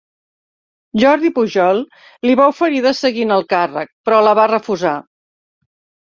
Jordi Pujol li va oferir de seguir en el càrrec, però la va refusar.